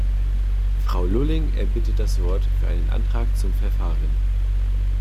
Frau Lulling erbittet das Wort für einen Antrag zum Verfahren.